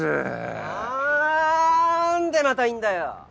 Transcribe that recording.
なんでまたいんだよ？